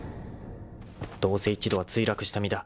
［どうせ一度は墜落した身だ。